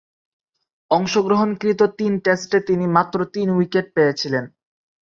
অংশগ্রহণকৃত তিন টেস্টে তিনি মাত্র তিন উইকেট পেয়েছিলেন।